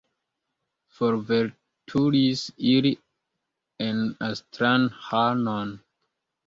Forveturis ili en Astraĥanon.